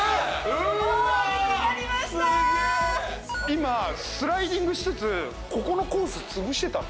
今スライディングしつつここのコース潰してた。